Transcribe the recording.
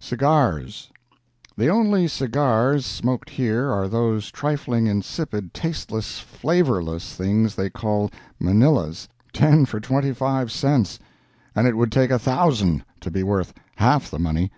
CIGARS The only cigars smoked here are those trifling, insipid, tasteless, flavorless things they call "Manilas"—ten for twenty five cents; and it would take a thousand to be worth half the money.